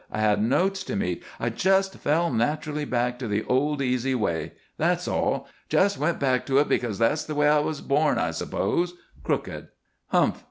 I had notes to meet. I just fell naturally back to the old easy way. That's all. Just went back to it because that's the way I was born, I suppose; crooked." "Humph.